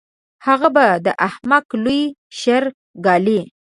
هغه به د احمق لوی شر ګالي.